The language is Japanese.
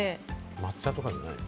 抹茶とかじゃないの？